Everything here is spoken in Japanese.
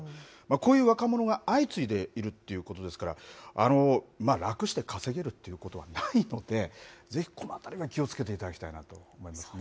こういう若者が相次いでいるっていうことですから、楽して稼げるということはないので、ぜひこのあたりには気を付けていただきたいなと思いますね。